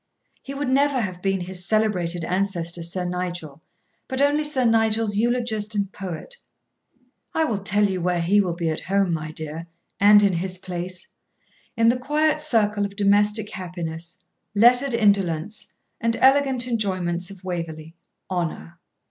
He would never have been his celebrated ancestor Sir Nigel, but only Sir Nigel's eulogist and poet. I will tell you where he will be at home, my dear, and in his place in the quiet circle of domestic happiness, lettered indolence, and elegant enjoyments of Waverley Honour.